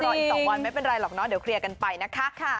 อีก๒วันไม่เป็นไรหรอกเนาะเดี๋ยวเคลียร์กันไปนะคะ